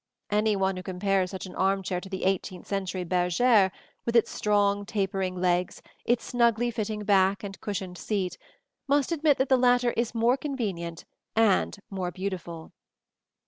Any one who compares such an arm chair to the eighteenth century bergère, with its strong tapering legs, its snugly fitting back and cushioned seat, must admit that the latter is more convenient and more beautiful (see Plates VIII and XXXVII).